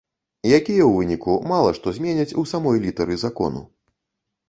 Якія, у выніку, мала што зменяць у самой літары закону.